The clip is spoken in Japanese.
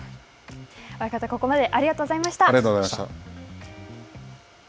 親方、ここまでありがとうございました。